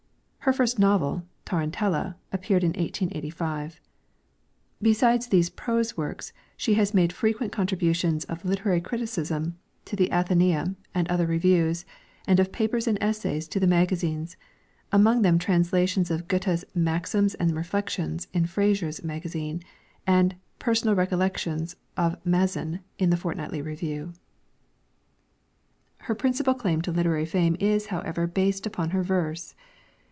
Her first novel, 'Tarantella,' appeared in 1885. Besides these prose works, she has made frequent contributions of literary criticism to the Athenaeum and other reviews, and of papers and essays to the magazines; among them translations of Goethe's 'Maxims and Reflections' in Fraser's Magazine, and 'Personal Recollections of Mazzin' in the Fortnightly Review. Her principal claim to literary fame is however based upon her verse.